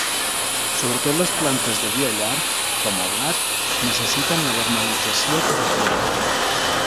Sobretot les plantes de dia llarg, com el blat, necessiten la vernalització per a florir.